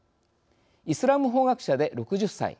イスラム法学者で６０歳。